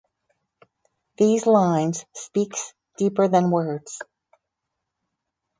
These lines speaks deeper than words.